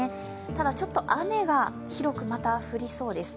ただちょっと雨が広くまた降りそうです。